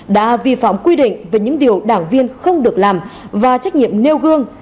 đã vi phạm quy định về những điều đảng viên không được làm và trách nhiệm nêu gương